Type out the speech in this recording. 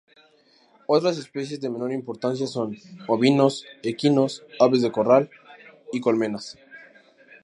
Otras especies de menor importancia son: ovinos, equinos, aves de corral y colmenas.